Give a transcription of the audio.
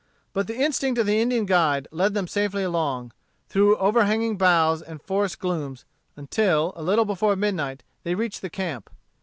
But the instinct of the Indian guide led them safely along, through overhanging boughs and forest glooms, until, a little before midnight, they reached the camp.